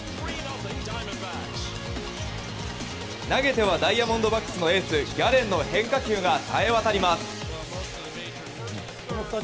投げてはダイヤモンドバックスのエースギャレンの変化球がさえ渡ります。